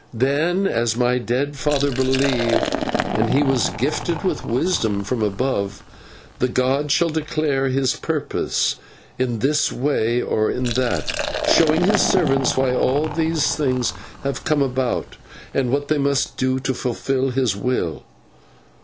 Then, as my dead father believed and he was gifted with wisdom from above the god shall declare his purpose in this way or in that, showing his servants why all these things have come about, and what they must do to fulfil his will.